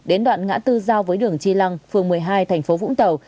đến đoạn ngã tư giao với đường chi lăng phường một mươi hai thành phố vũng tàu